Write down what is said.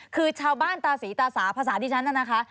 คือชาวบ้านตาสีตาสาภาษาดิฉันน่ะนะคะ